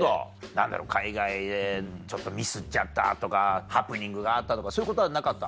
海外でちょっとミスっちゃったとかハプニングがあったとかそういうことはなかった？